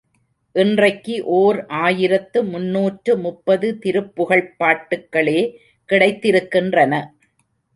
இன்றைக்கு ஓர் ஆயிரத்து முன்னூற்று முப்பது திருப்புகழ்ப் பாட்டுக்களே கிடைத்திருக்கின்றன.